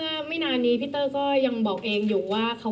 เธออยากให้ชี้แจ่งความจริง